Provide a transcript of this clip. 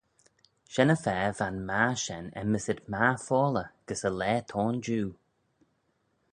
Shen-y-fa va'n magher shen enmyssit magher foalley gys y laa t'ayn jiu.